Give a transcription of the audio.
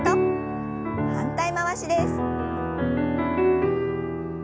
反対回しです。